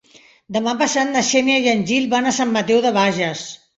Demà passat na Xènia i en Gil van a Sant Mateu de Bages.